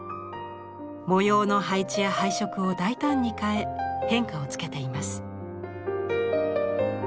模様の配置や配色を大胆に変え変化をつけています。